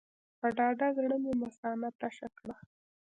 په ډاډه زړه مې مثانه تشه کړه.